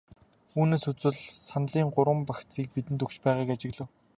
Үүнээс үзвэл саналын гурван багцыг бидэнд өгч байгааг ажиглав.